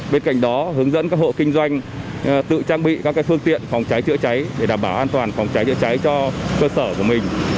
bên cạnh đó hướng dẫn các hộ kinh doanh tự trang bị các phương tiện phòng cháy chữa cháy để đảm bảo an toàn phòng cháy chữa cháy cho cơ sở của mình